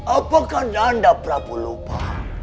apakah nanda prabu lupa